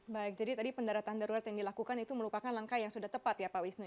baik jadi tadi pendaratan darurat yang dilakukan itu merupakan langkah yang sudah tepat ya pak wisnu